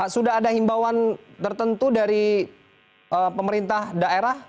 sudah ada himbauan tertentu dari pemerintah daerah